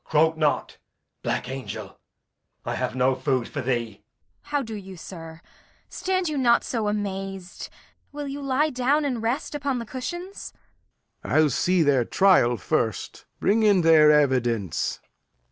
Croak not, black angel; I have no food for thee. Kent. How do you, sir? Stand you not so amaz'd. Will you lie down and rest upon the cushions? Lear. I'll see their trial first. Bring in their evidence.